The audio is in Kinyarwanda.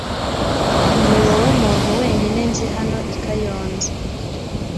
Niwowe muntu wenyine nzi hano i Kayonza